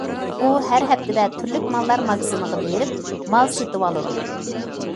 ئۇ ھەر ھەپتىدە تۈرلۈك ماللار ماگىزىنىغا بېرىپ مال سېتىۋالىدۇ.